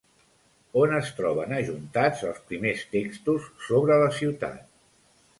On es troben ajuntats els primers textos sobre la ciutat?